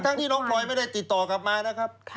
ที่น้องพลอยไม่ได้ติดต่อกลับมานะครับ